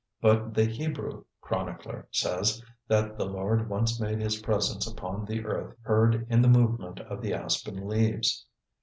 But the Hebrew chronicler says that the Lord once made his presence upon the earth heard in the movement of the aspen leaves.